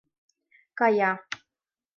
Кая.